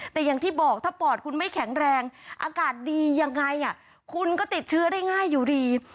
แต่อย่างที่บอกถ้าปอดคุณไม่แข็งแรงอากาศดียังไงคุณก็ติดเชื้อได้ง่ายอยู่ดี